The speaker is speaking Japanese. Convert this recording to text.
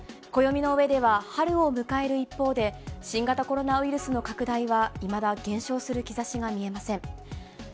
暦の上では春を迎える一方で、新型コロナウイルスの拡大はいまだ減少する兆しが見えません。